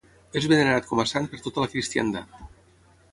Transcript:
És venerat com a sant per tota la cristiandat.